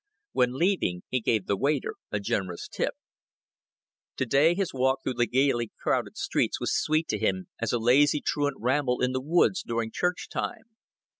When leaving, he gave the waiter a generous tip. To day his walk through the gaily crowded streets was sweet to him as a lazy truant ramble in the woods during church time.